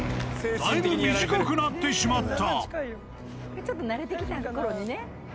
だいぶ短くなってしまった。